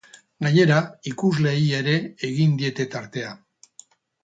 Gainera, ikusleei ere egin diete tartea.